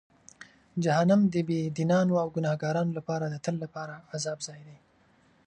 جهنم د بېدینانو او ګناهکارانو لپاره د تل لپاره د عذاب ځای دی.